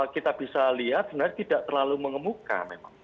kita bisa lihat sebenarnya tidak terlalu mengemuka memang